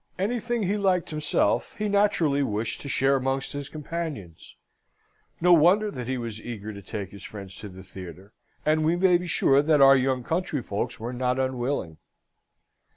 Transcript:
Anything he liked himself, he naturally wished to share amongst his companions. No wonder that he was eager to take his friends to the theatre, and we may be sure our young countryfolks were not unwilling.